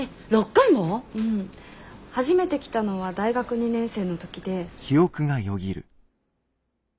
初めて来たのは大学２年生の時で。